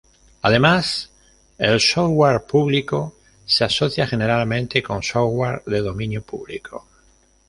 Además, el ""software" público" se asocia generalmente con "software" de dominio público.